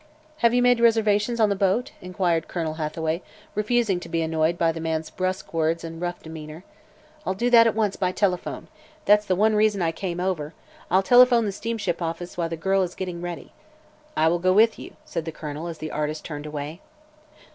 "Have you made reservations on the boat?" inquired Colonel Hathaway, refusing to be annoyed by the man's brusque words and rough demeanor. "I'll do that at once, by telephone. That's one reason I came over. I'll telephone the steamship office while the girl is getting ready." "I will go with you," said the Colonel, as the artist turned away.